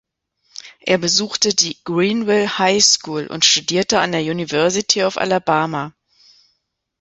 Er besuchte die "Greenville High School" und studierte an der University of Alabama.